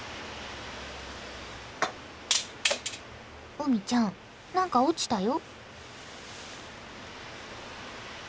うみちゃん何か落ちたよ。